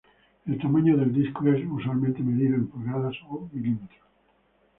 El tamaño del disco es usualmente medido en pulgadas o milímetros.